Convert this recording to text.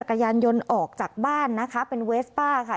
กระยานยนต์ออกจากบ้านนะคะเป็นเวสป้าค่ะ